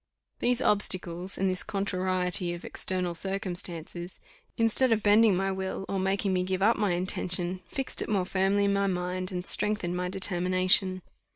These obstacles, and this contrariety of external circumstances, instead of bending my will, or making me give up my intention, fixed it more firmly in my mind, and strengthened my determination.